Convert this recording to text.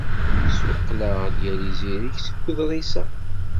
Ssuqqel-d yal izirig seg weḍris-a.